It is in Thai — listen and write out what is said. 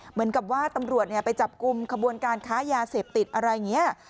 เหมือนกับว่าตำรวจไปจับกลุ่มขบวนการค้ายาเสพติดอะไรอย่างนี้